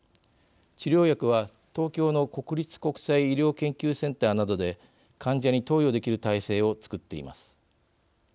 治療薬は、東京の国立国際医療研究センターなどで患者に投与できる体制をつくっています。